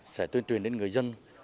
sẽ tuyên truyền đến người dân